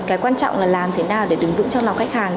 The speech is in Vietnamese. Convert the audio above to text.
cái quan trọng là làm thế nào để đứng vững trong lòng khách hàng